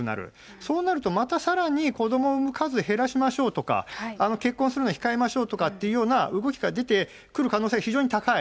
そうなるとまたさらに、子どもを産む数減らしましょうとか、結婚するの控えましょうというような動きが出てくる可能性が非常に高い。